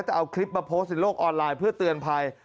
แต่เอาคลิปมาโพสต์ในโลกออนไลน์เพื่อเตือนภัย